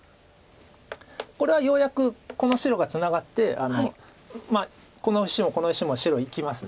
これはようやくこの白がツナがってこの石もこの石も白生きます。